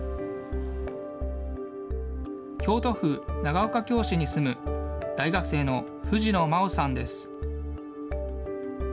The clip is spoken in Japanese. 京都府長岡京市に住む大学生の藤野真央さんです。